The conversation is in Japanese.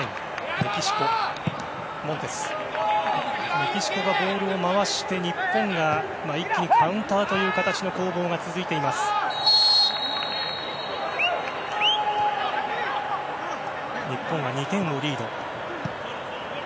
メキシコがボールを回して日本が一気にカウンターという形の攻防が続いています。